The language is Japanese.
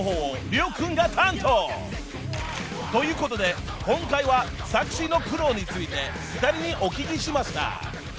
ということで今回は作詞の苦労について２人にお聞きしました］